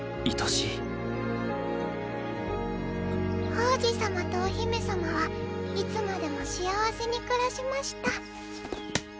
「王子様とお姫様はいつまでも幸せに暮らしました」